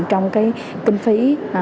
trong cái kinh phí